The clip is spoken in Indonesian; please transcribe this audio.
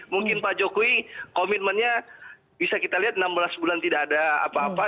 mungkin pak jokowi komitmennya bisa kita lihat enam belas bulan tidak ada apa apa